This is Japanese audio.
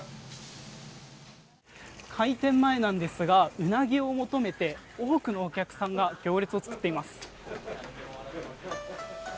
開店前なんですがウナギを求めて多くのお客さんが行列を作っています。